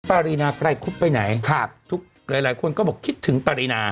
ปรินาใกล้คุดไปไหนหลายคนก็บอกคิดถึงปรินา